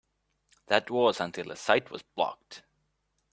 That was until the site was blocked.